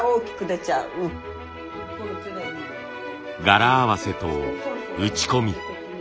柄合わせと打ち込み。